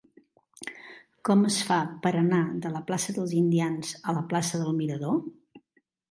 Com es fa per anar de la plaça dels Indians a la plaça del Mirador?